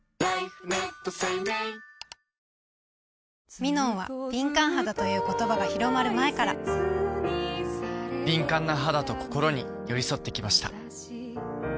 「ミノン」は敏感肌という言葉が広まる前から敏感な肌と心に寄り添って来ました